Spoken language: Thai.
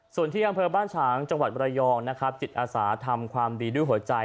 ส่วนที่อำเภอบ้านฉางจังหวัดมรยองนะครับจิตอาสาทำความดีด้วยหัวใจ